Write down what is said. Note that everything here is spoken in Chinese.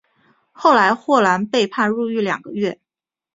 后来霍兰被判入狱两个月。